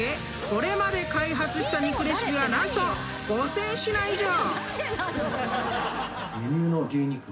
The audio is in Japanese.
これまで開発した肉レシピは何と５，０００品以上！］